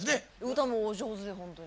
歌もお上手でホントに。